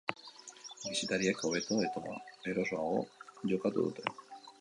Bisitariek hobeto eta erosoago jokatu dute.